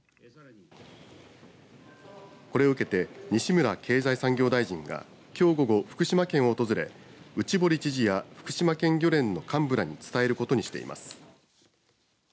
これを受けて西村経済産業大臣がきょう午後、福島県を訪れ内堀知事や福島県漁連の幹部らに伝えることにしています。